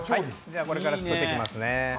これから作っていきますね。